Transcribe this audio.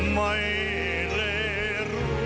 ไม่ท้อท้อย